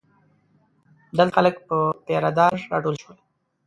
دلته خلک پر پیره دار راټول شول.